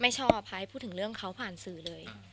ชอบพายพูดถึงเรื่องเขาผ่านสื่อเลย